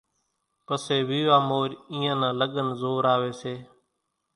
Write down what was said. پسيَ ويوا مورِ اينيان نان لڳنَ زوراويَ سي۔